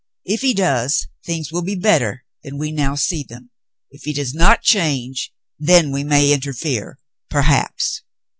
If he does, things will be better than we now see them. If he does not change, then we may interfere — perhaps."